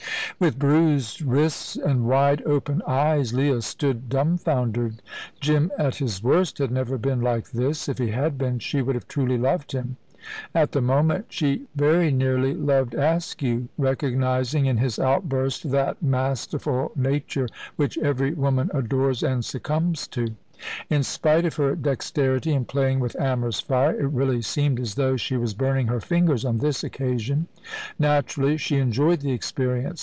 With bruised wrists and wide open eyes Leah stood dumfoundered. Jim, at his worst, had never been like this. If he had been she would have truly loved him. At the moment she very nearly loved Askew, recognising in his outburst that masterful nature which every woman adores and succumbs to. In spite of her dexterity in playing with amorous fire, it really seemed as though she was burning her fingers on this occasion. Naturally, she enjoyed the experience.